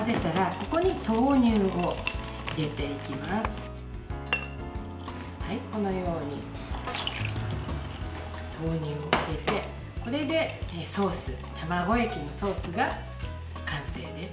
このように豆乳を入れてこれでソース卵液のソースが完成です。